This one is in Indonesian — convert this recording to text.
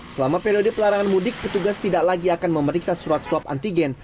selama periode pelarangan mudik petugas tidak lagi akan memeriksa surat swab antigen